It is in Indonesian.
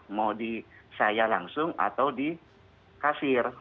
mau di saya langsung atau di kafir